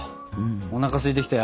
おなかすいてきたよ。